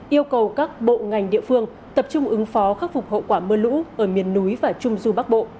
yêu cầu các bộ ngành địa phương tập trung ứng phó khắc phục hậu quả mưa lũ ở miền núi và trung du bắc bộ